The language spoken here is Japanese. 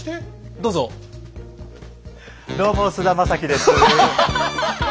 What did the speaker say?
どうも菅田将暉です。